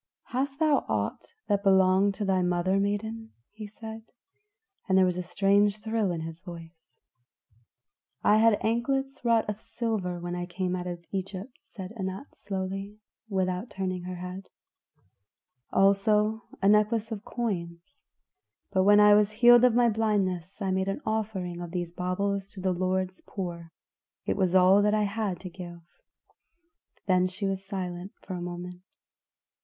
"Hast thou aught that belonged to thy mother, maiden?" he said, and there was a strange thrill in his voice. "I had anklets of wrought silver when I came out of Egypt," said Anat slowly, without turning her head; "also a necklace of coins; but when I was healed of my blindness I made an offering of these baubles to the Lord's poor. It was all that I had to give." Then she was silent for a moment.